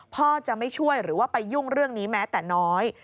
พ่อจะไม่ช่วยหรือว่าไปยุ่งเรื่องนี้แม้แต่น้อย